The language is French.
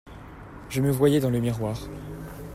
Je me voyais dans le miroir.